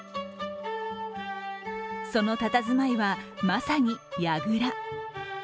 そのたたずまいは、まさに櫓。